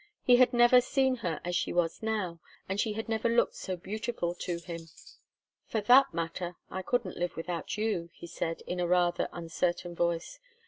He had never seen her as she was now, and she had never looked so beautiful to him. "For that matter, I couldn't live without you," he said, in a rather uncertain voice.